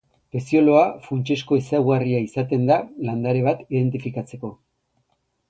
Pezioloa funtsezko ezaugarria izaten da landare bat identifikatzeko.